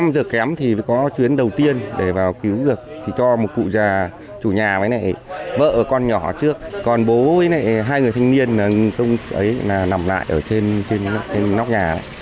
năm giờ kém thì mới có chuyến đầu tiên để vào cứu được thì cho một cụ già chủ nhà với vợ con nhỏ trước còn bố với hai người thanh niên ấy nằm lại ở trên nóc nhà